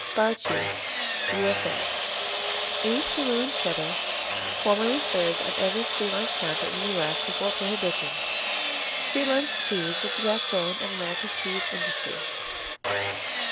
Bar cheese U.S.A. Any saloon Cheddar, formerly served on every free lunch counter in the U.S. Before Prohibition, free lunch cheese was the backbone of America's cheese industry.